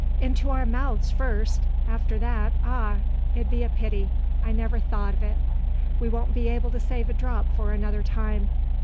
"Into our months first: after that ah! it be a pity. I never thought o't. We won't be able to save a drop for another time.